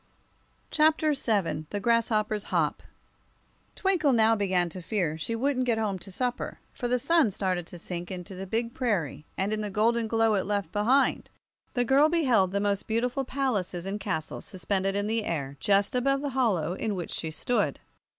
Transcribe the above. Chapter VII The Grasshoppers' Hop TWINKLE now began to fear she wouldn't get home to supper, for the sun started to sink into the big prairie, and in the golden glow it left behind, the girl beheld most beautiful palaces and castles suspended in the air just above the hollow in which she stood.